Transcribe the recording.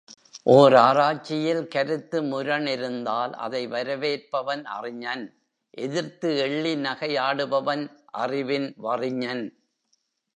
ஓர் ஆராய்ச்சியில் கருத்து முரண் இருந்தால் அதை வரவேற்பவன் அறிஞன் எதிர்த்து எள்ளி நகையாடுபவன் அறிவின் வறிஞன்!